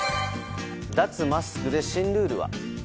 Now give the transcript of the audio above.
脱マスクで新ルールは？